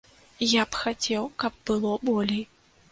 Я б хацеў, каб было болей.